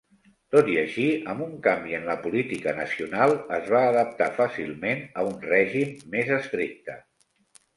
Tot i així, amb un canvi en la política nacional, es va adaptar fàcilment a un règim més estricte.